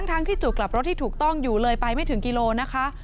ทั้งที่จุดกลับรถที่ถูกต้องอยู่เลยไปไม่ถึงกิโลนะคะ